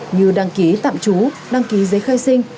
như đăng ký tạm trú đăng ký giấy khai sinh